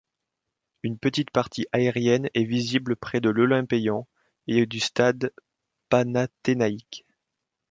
Une petite partie aérienne est visible près de l'Olympéion et du Stade panathénaïque.